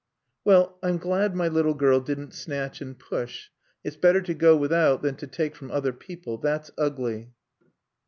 "Well, I'm glad my little girl didn't snatch and push. It's better to go without than to take from other people. That's ugly."